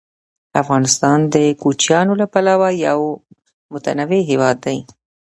افغانستان د کوچیانو له پلوه یو متنوع هېواد دی.